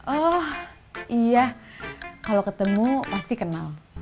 oh iya kalau ketemu pasti kenal